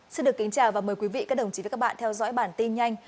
xin được kính chào và mời quý vị các đồng chí và các bạn theo dõi bản tin nhanh